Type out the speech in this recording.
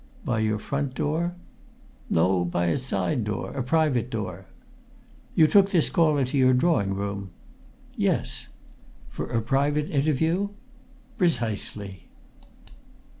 "By your front door?" "No; by a side door a private door." "You took this caller to your drawing room?" "Yes." "For a private interview?" "Precisely."